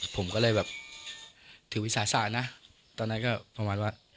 ผมก็เลยแบบถือวิสาสะนะตอนนั้นก็ประมาณว่า